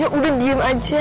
ya udah diem aja